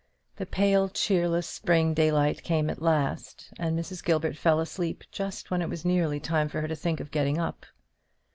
The pale cheerless spring daylight came at last, and Mrs. Gilbert fell asleep just when it was nearly time for her to think of getting up.